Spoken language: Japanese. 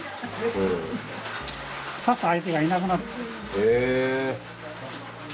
へえ。